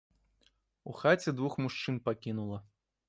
У хаце двух мужчын пакінула.